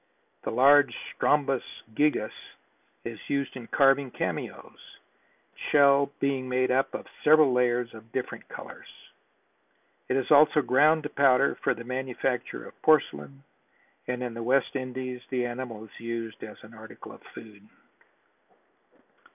The large Strombus gigas is used in carving cameos, its shell being made up of several layers of different colors. It is also ground to powder for the manufacture of porcelain and in the West Indies the animal is used as an article of food.